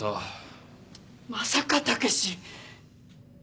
まさか武史！？